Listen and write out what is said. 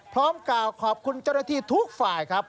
กล่าวขอบคุณเจ้าหน้าที่ทุกฝ่ายครับ